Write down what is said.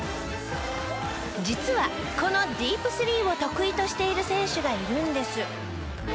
実はこのディープスリーを得意としている選手がいるんです。